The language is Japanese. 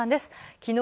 きのう